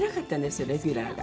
レギュラーが。